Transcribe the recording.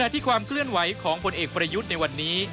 ที่ความเคลื่อนไหวของผลเอกประยุทธ์ในวันนี้